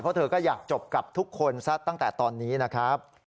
เพราะเธอก็อยากจบกับทุกคนซะตั้งแต่ตอนนี้นะครับ